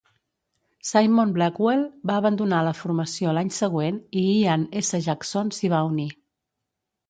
Simon Blackwell va abandonar la formació l'any següent i Ian S Jackson s'hi va unir.